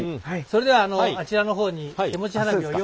それではあちらの方にはいはい。